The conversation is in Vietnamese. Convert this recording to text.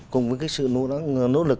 cùng với sự nỗ lực